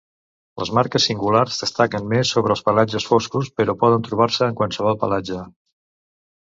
Les marques singulars destaquen més sobre els pelatges foscos però poden trobar-se en qualsevol pelatge.